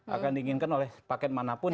akan diinginkan oleh paket manapun